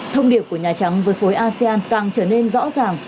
thông điệp của nhà trắng với khối asean càng trở nên rõ ràng